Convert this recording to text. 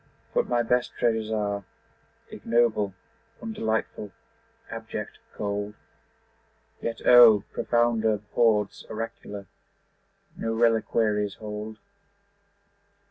But my best treasures are Ignoble, undelightful, abject, cold; Yet O! profounder hoards oracular No reliquaries hold.